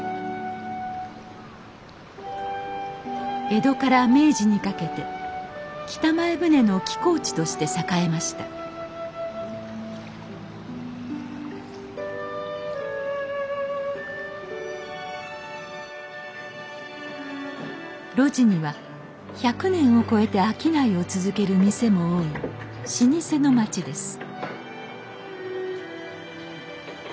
江戸から明治にかけて北前船の寄港地として栄えました路地には１００年を超えて商いを続ける店も多い老舗の町です